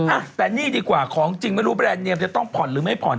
อ่ะแต่นี่ดีกว่าของจริงไม่รู้แรนดเนียมจะต้องผ่อนหรือไม่ผ่อน